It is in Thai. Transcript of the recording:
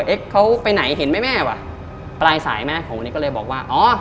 เอ็กซ์เขาไปไหนเห็นไหมแม่วะปลายสายแม่ของคุณเอ็กซ์ก็เลยบอกว่า